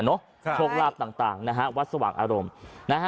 โทรคลาภต่างวัดสวังอารมณ์